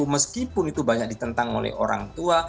meskipun itu banyak ditentang oleh orang tua